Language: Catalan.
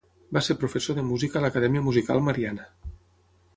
Va ser professor de música a l'acadèmia Musical Mariana.